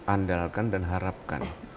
andalkan dan harapkan